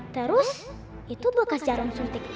terus itu bekas jarum suntik apaan ya